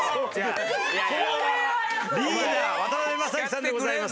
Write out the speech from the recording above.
リーダー渡辺正行さんでございます！